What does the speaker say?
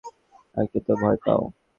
একটু তো ভয় পাও!